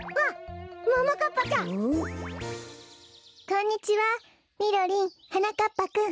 こんにちはみろりんはなかっぱくん。